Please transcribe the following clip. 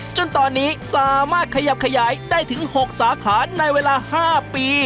จนตอนนี้สามารถขยับขยายได้ถึง๖สาขาในเวลา๕ปี